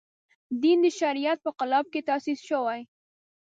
دین د شریعت په قالب کې تاسیس شوی.